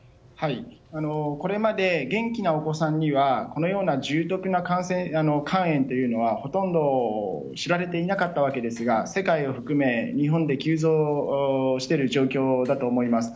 これまで、元気なお子さんにはこのような重篤な肝炎というのはほとんど知られていなかったわけですが世界を含め、日本で急増している状況だと思います。